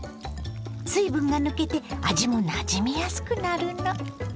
水分が抜けて味もなじみやすくなるの。